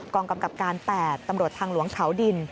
งกำกับการ๘ตำรวจทางหลวงเขาดิน